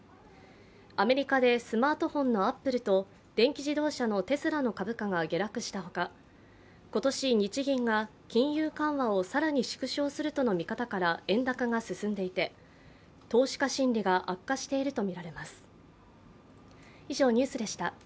アメリカでスマートフォンのアップルと電気自動車のテスラの株価が下落したほか、今年、日銀が金融緩和を更に縮小するとの見方から円高が進んでいて、投資家心理が悪化しているとみられます。